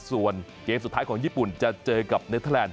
ส่วนเกมสุดท้ายของญี่ปุ่นจะเจอกับเนเทอร์แลนด